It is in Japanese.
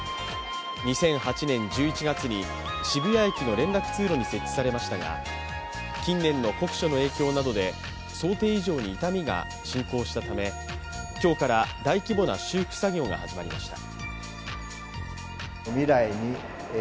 ２００８年１１月に渋谷駅の連絡通路に設置されましたが近年の酷暑の影響などで想定以上に傷みが進行したため、今日から大規模な修復作業が始まりました。